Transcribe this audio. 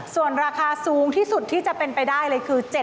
ส่วนราคาสูงที่สุดที่จะเป็นไปได้เลยคือ